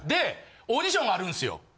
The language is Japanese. オーディションあるんすよ。